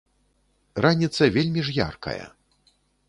Раніца вельмі ж яркая.